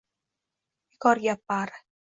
Bekor gap bari…